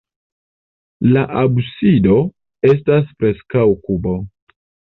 La absido estas preskaŭ kubo.